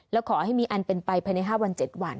แล้วขอให้มีอันเป็นไปภายใน๕วัน๗วัน